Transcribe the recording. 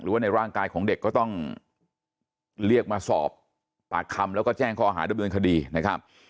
ว่าในร่างกายของเด็กก็ต้องเรียกมาสอบปากคำแล้วก็แจ้งข้อหาดำเนินคดีนะครับ